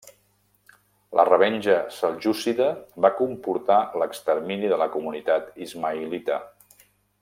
La revenja seljúcida va comportar l'extermini de la comunitat ismaïlita.